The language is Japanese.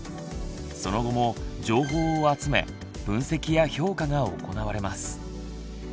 その後も情報を集め分析や評価が行われます。